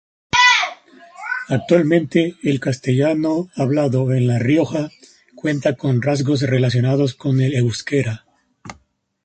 Actualmente el castellano hablado en La Rioja cuenta con rasgos relacionados con el euskera.